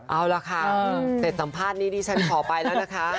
เอาล่ะค่ะเสร็จสัมภาษณ์นี้ดิฉันขอไปแล้วนะคะ